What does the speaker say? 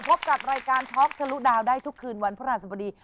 พบกับรายการท็อกทะลุดาวได้ทุกคืนวันพระราชสมดี